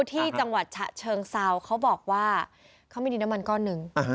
ที่จังหวัดฉะเชิงเซาเขาบอกว่าเขามีดินน้ำมันก้อนหนึ่ง